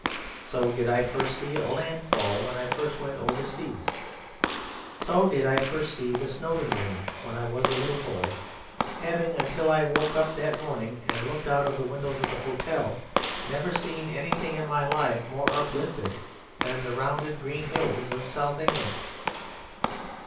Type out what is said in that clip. So did I first see a land fall when I first went overseas. So did I first see the Snowdon range when I was a little boy, having, until I woke up that morning and looked out of the windows of the hotel, never seen anything in my life more uplifted than the rounded green hills of South England.